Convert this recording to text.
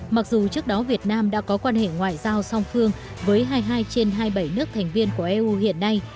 mặc dù trước đó việt nam đã có quan hệ ngoại giao song phương với hai mươi hai trên hai mươi bảy nước thành viên của eu hiện nay